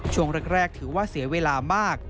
ช่วงแรกถือว่าเสียเวลามาก